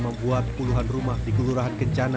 membuat puluhan rumah di kelurahan kencana